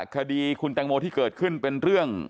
คดีคุณแตงโมที่เกิดขึ้นเป็นเรื่อง